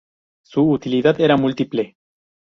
Su utilidad era múltiple.